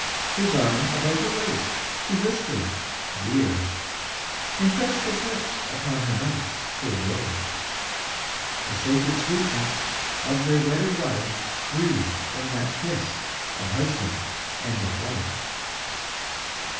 His arm about her waist, he whispered "Dear," And pressed his lips upon her mouth's full rose— The sacred sweetness of their wedded life Breathed in that kiss of husband and of wife.